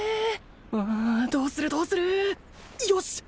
うんどうするどうするよしっ！